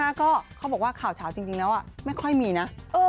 ข่าวเช้านะฮะก็เขาบอกว่าข่าวเช้าจริงแล้วอ่ะไม่ค่อยมีนะ